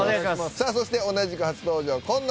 さあそして同じく初登場紺野